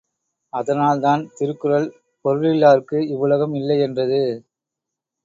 அதனால் தான் திருக்குறள், பொருளில்லார்க்கு இவ்வுலகம் இல்லை என்றது.